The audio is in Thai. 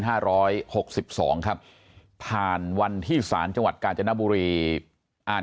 ร้อยหกสิบสองครับผ่านวันที่สารจังหวัดกาญจนบุรีอ่าน